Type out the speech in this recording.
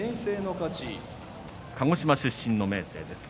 鹿児島出身の明生です。